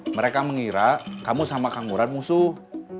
mereka mengira kamu sama kangguran musuh